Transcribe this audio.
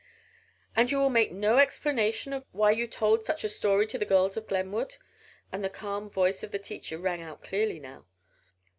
"And you will make no explanation of why you told such a story to the girls of Glenwood?" and the calm voice of the teacher rang out clearly now.